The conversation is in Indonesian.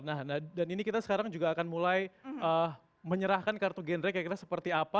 nah dan ini kita sekarang juga akan mulai menyerahkan kartu gendre kayak kita seperti apa